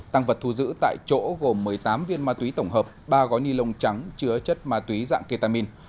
tăng vật thu giữ tại chỗ gồm một mươi tám viên ma túy tổng hợp ba gói ni lông trắng chứa chất ma túy dạng ketamin